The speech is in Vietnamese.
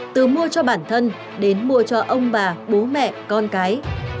từ mua cho bản thân đến mua cho ông bà bố mẹ con cái